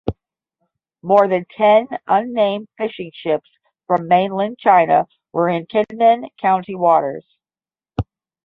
More than ten unnamed fishing ships from mainland China were in Kinmen County waters.